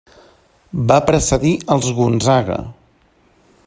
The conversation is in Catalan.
Va precedir als Gonzaga.